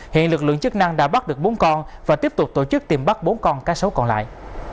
hiện lực lượng chức năng đã bắt được bốn con và tiếp tục tổ chức tìm bắt bốn con cá sấu còn lại